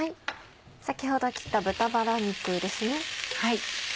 先ほど切った豚バラ肉ですね。